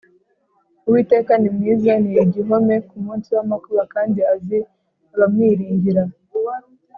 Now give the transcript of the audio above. Uwiteka ni mwiza ni igihome ku munsi w’amakuba kandi azi abamwiringira